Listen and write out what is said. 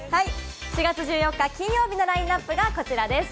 ４月１４日、金曜日のラインナップがこちらです。